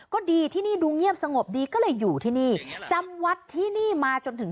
ก็ดีที่นี่ดูเงียบสงบดีก็เลยอยู่ที่นี่จำวัดที่นี่มาจนถึง